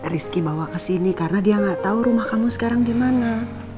rizky bawa kesini karena dia gak tau rumah kamu sekarang dimana